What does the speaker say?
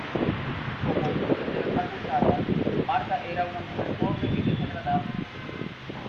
Como muchas de las acusadas, Martha era una mujer pobre y desagradable.